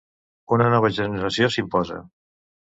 Una nova generació s'imposa.